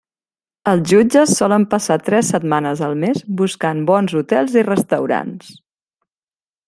Els jutges solen passar tres setmanes al mes buscant bons hotels i restaurants.